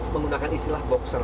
menggunakan istilah boxer